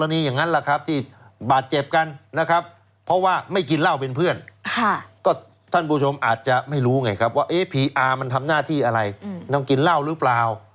ทั้งที่เป็นวันที่ควรจะผลับปิดแล้วทั้งทีทีจะปิดแล้ว